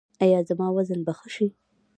ایا زما وزن به ښه شي؟